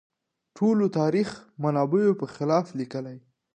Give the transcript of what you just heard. د ټولو تاریخي منابعو په خلاف لیکي.